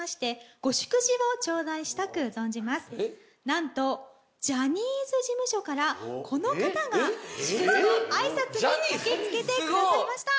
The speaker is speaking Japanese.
なんとジャニーズ事務所からこの方が祝辞のあいさつに駆け付けてくださいました。